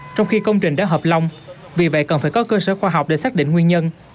trong khi công trình đã hợp lòng vì vậy cần phải có cơ sở khoa học để xác định nguyên nhân